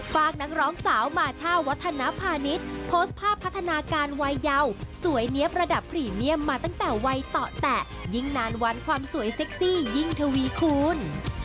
ฝากนักร้องสาวมาช่าวัฒนภาณิชย์โพสต์ภาพพัฒนาการวัยเยาว์สวยเนี๊ยประดับพรีเมียมมาตั้งแต่วัยเตาะแตะยิ่งนานวันความสวยเซ็กซี่ยิ่งทวีคูณ